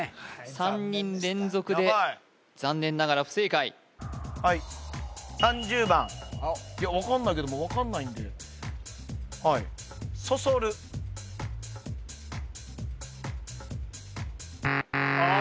３人連続で残念ながら不正解はいいや分かんないけども分かんないんではいああ